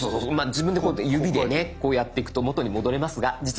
自分でこうやって指でねこうやっていくと元に戻れますが実は。